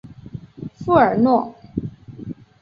富尔诺。